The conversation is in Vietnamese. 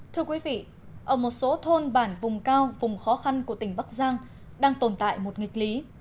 thưa quý vị ở một số thôn bản vùng cao vùng khó khăn của tỉnh bắc giang đang tồn tại một nghịch lý